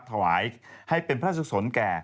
ถวายให้เป็นพระสุขสนแก่